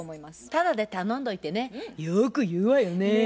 タダで頼んどいてねよく言うわよね。ね。